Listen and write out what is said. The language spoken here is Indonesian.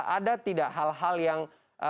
ada tidak hal hal yang